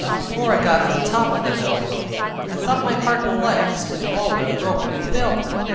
Before I got to the top of the hill, I thought my heart and legs, and all would have broken, and failed me.